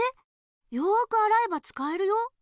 よくあらえばつかえるよ。